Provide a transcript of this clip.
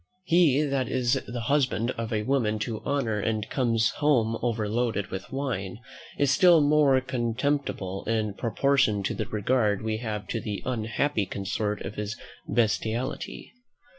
He that is the husband of a woman of honour, and comes home overloaded with wine, is still more contemptible in proportion to the regard we have to the unhappy consort of his bestiality.